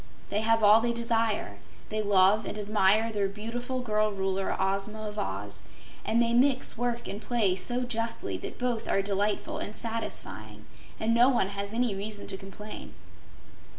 They have all they desire; they love and admire their beautiful girl Ruler, Ozma of Oz, and they mix work and play so justly that both are delightful and satisfying and no one has any reason to complain.